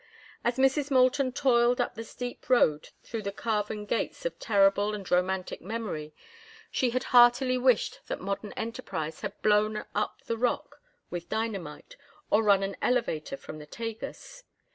As Mrs. Moulton toiled up the steep road through the carven gates of terrible and romantic memory, she had heartily wished that modern enterprise had blown up the rock with dynamite or run an elevator from the Tagus.